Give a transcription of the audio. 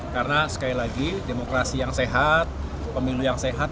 karena sekali lagi demokrasi yang sehat pemilu yang sehat